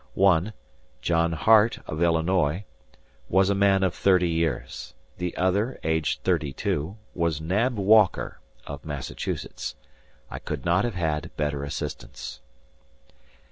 One, John Hart, of Illinois, was a man of thirty years; the other, aged thirty two, was Nab Walker, of Massachusetts. I could not have had better assistants.